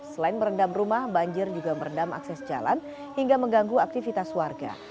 selain merendam rumah banjir juga merendam akses jalan hingga mengganggu aktivitas warga